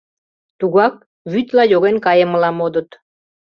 Тугак вӱдла йоген кайымыла модыт.